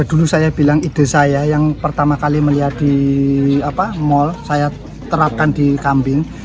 dulu saya bilang ide saya yang pertama kali melihat di mall saya terapkan di kambing